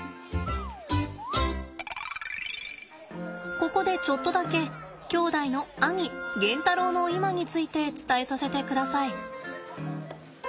ここでちょっとだけ兄弟の兄ゲンタロウの今について伝えさせてください。